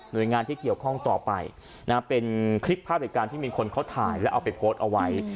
โดยงานที่เกี่ยวข้องต่อไปนะเป็นคลิปภาพเหตุการณ์ที่มีคนเขาถ่ายแล้วเอาไปโพสต์เอาไว้